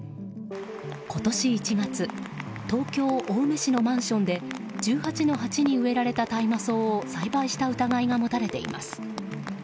今年１月東京・青梅市のマンションで１８の鉢に植えられた大麻草を栽培した疑いが持たれています。